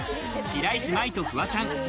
白石麻衣とフワちゃん。